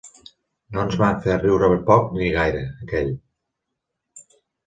No ens va fer riure poc ni gaire, aquell.